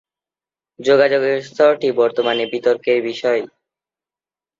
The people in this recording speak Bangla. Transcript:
যোগাযোগের স্তরটি বর্তমানে বিতর্কের বিষয়।